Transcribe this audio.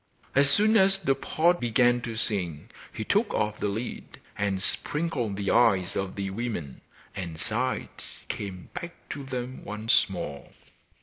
As soon as the pot began to sing he took off the lid, and sprinkled the eyes of the women, and sight came back to them once more.